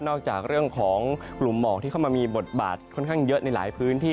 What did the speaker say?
จากเรื่องของกลุ่มหมอกที่เข้ามามีบทบาทค่อนข้างเยอะในหลายพื้นที่